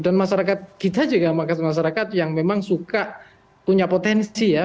dan masyarakat kita juga maksudnya masyarakat yang memang suka punya potensi ya